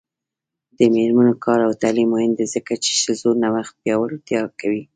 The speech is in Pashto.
د میرمنو کار او تعلیم مهم دی ځکه چې ښځو نوښت پیاوړتیا کوي.